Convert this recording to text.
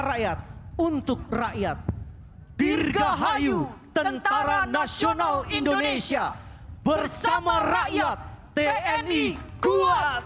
rakyat untuk rakyat dirgahayu tentara nasional indonesia bersama rakyat tni kuat